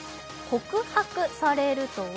「告白されるとは」